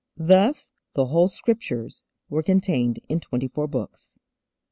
Thus the whole Scriptures were contained in twenty four books.